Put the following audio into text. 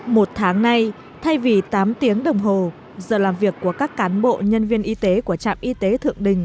một tháng nay thay vì tám tiếng đồng hồ giờ làm việc của các cán bộ nhân viên y tế của trạm y tế thượng đình